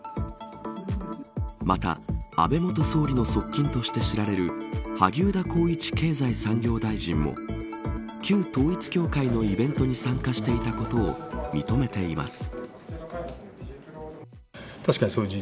また、安倍元総理の側近として知られる萩生田光一経済産業大臣も旧統一教会のイベントに参加していたことを認めています。